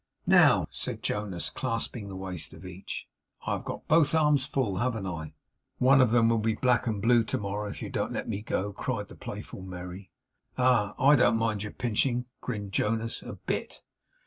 'Now,' said Jonas, clasping the waist of each; 'I have got both arms full, haven't I?' 'One of them will be black and blue to morrow, if you don't let me go,' cried the playful Merry. 'Ah! I don't mind YOUR pinching,' grinned Jonas, 'a bit.